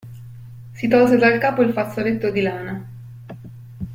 Si tolse dal capo il fazzoletto di lana.